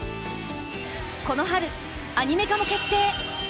この春アニメ化も決定！